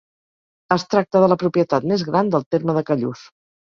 Es tracta de la propietat més gran del terme de Callús.